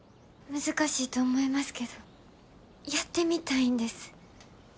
難しいと思いますけどやってみたいんです。